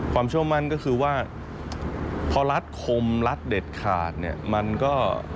ความเชื่อมั่นก็คือว่าพอรัฐคมรัฐเด็ดขาดเนี่ยมันก็